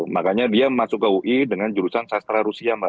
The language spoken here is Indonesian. makanya dia masuk ke ui dengan jurusan sastra rusia